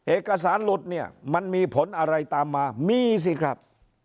เอกสารหลุดเนี่ยมันมีผลอะไรตามมามีสิครับ